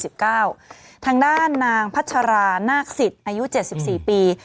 สิบเก้าทางด้านนางพัชรานาศิษย์อายุเจ็ดสิบสี่ปี